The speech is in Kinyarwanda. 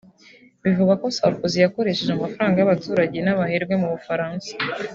Bivugwa ko Sarkozy yakoresheje amafaranga y’abaturage n’abaherwe mu Bufaransa